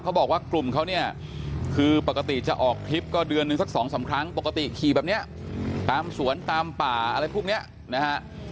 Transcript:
เขาบอกว่ากลุ่มเขาเนี่ยคือปกติจะออกทริปก็เดือนหนึ่งสักสองสามครั้งปกติขี่แบบนี้ตามสวนตามป่าอะไรพวกนี้นะฮะ